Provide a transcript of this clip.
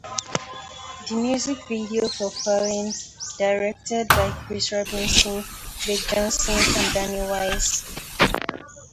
The music video for "Fallin'", directed by Chris Robinson, Blake Johnson and Danny Wise.